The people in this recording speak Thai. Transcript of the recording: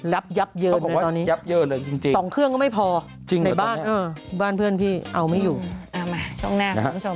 รับยับเยินเลยตอนนี้ส่องเครื่องก็ไม่พอในบ้านบ้านเพื่อนพี่เอาไม่อยู่เอาตรงตรงช่วงหน้า